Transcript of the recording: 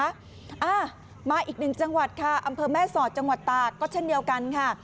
อ่ามาอีกหนึ่งจังหวัดค่ะอำเภอแม่สอดจังหวัดตากก็เช่นเดียวกันค่ะ